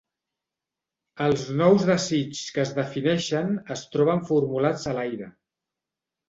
Els nous desigs que es defineixen es troben formulats a l'aire.